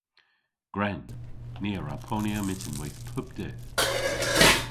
Gwren! Ni a wra ponya myttinweyth pub dydh.